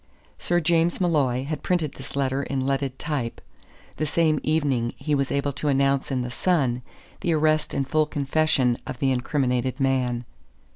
Sir James Molloy had printed this letter in leaded type. The same evening he was able to announce in the Sun the arrest and full confession of the incriminated man.